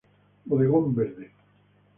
Bodegón Verde.